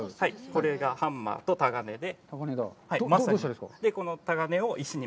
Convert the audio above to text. これがハンマーとタガネで。